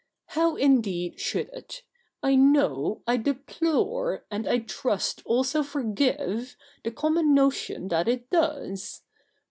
How indeed should it? I know, I deplore, and I trust also forgive, the common notion that it does.